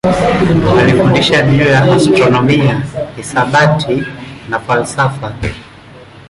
Alifundisha juu ya astronomia, hisabati na falsafa.